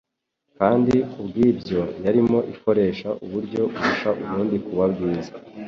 kandi kubw'ibyo, yarimo ikoresha uburyo burusha ubundi kuba bwiza